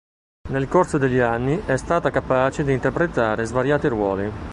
Nel corso degli anni è stata capace di interpretare svariati ruoli.